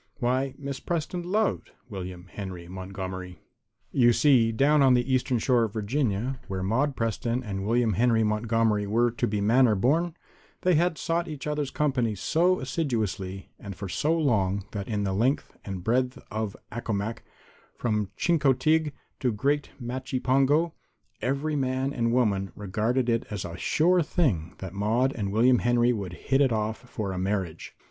Why, Miss Preston loved William Henry Montgomery. You see, down on the Eastern Shore of Virginia, where Maude Preston and William Henry Montgomery were to the manor born, they had sought each other's company so assiduously and for so long that in the length and breadth of Accomac from Chincoteague to Great Machipongo every man and woman regarded it as a sure thing that Maude and William Henry would hit it off for a marriage.